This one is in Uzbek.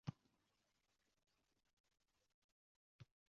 keyin vaziyatni surishtirish kerak.